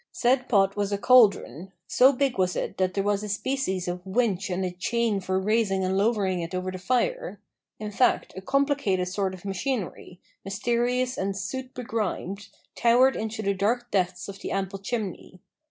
Said pot was a caldron; so big was it that there was a species of winch and a chain for raising and lowering it over the fire; in fact, a complicated sort of machinery, mysterious and soot begrimed, towered into the dark depths of the ample chimney.